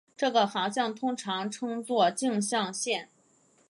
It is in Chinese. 这个航向通常称作径向线。